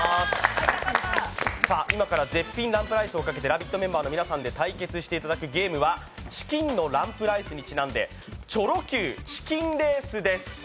今から絶品ランプライスをかけて皆さんに対決していただくゲームは、チキンのランプライスにちなんでチョロＱチキンレースです。